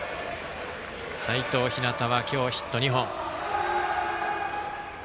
齋藤陽は、今日ヒット２本。